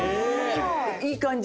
いい感じに。